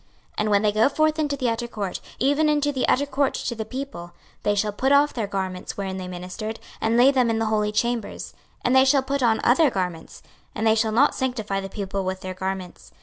26:044:019 And when they go forth into the utter court, even into the utter court to the people, they shall put off their garments wherein they ministered, and lay them in the holy chambers, and they shall put on other garments; and they shall not sanctify the people with their garments.